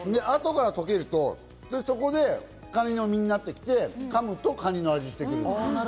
後から溶けると、そこでカニの身になってきて、かむとカニの味がしてくる。